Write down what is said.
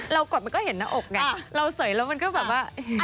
เรากดมันก็เห็นหน้าอกไง